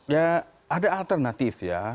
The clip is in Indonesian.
ya ada alternatif ya